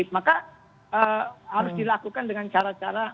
maka harus dilakukan dengan cara cara